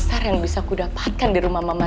saya akan mencari bukti bukti yang lebih penting